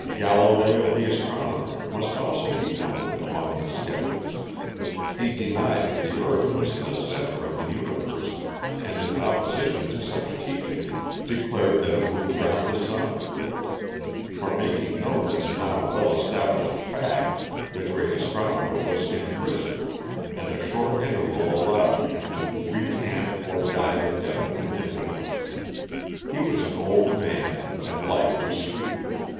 Galileo the astronomer must also be numbered among the sceptics. He denied that the earth was the centre of the universe, and in opposition to such teaching declared that it moved round the sun. For making known this now well established fact the great astronomer was imprisoned, and a short interval allowed for him to recant or die the death of an infidel. He was an old man, and life was sweet.